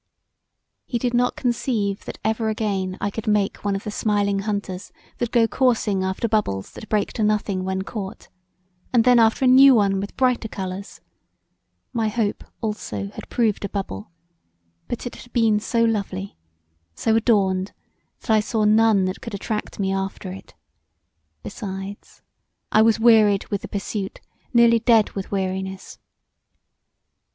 He did not conceive that ever [qu. never?] again I could make one of the smiling hunters that go coursing after bubles that break to nothing when caught, and then after a new one with brighter colours; my hope also had proved a buble, but it had been so lovely, so adorned that I saw none that could attract me after it; besides I was wearied with the pursuit, nearly dead with weariness.